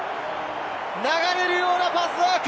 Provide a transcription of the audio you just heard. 流れるようなパスワーク！